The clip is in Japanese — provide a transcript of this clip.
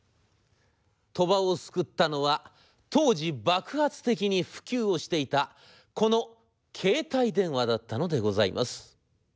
鳥羽を救ったのは当時爆発的に普及をしていたこの携帯電話だったのでございます」。